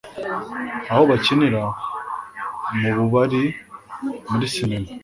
aho bakinira, mu bubari, muri sinema..